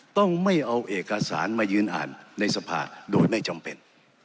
ต้องไม่เอาเอกสารมายืนอ่านในสภาโดยไม่จำเป็น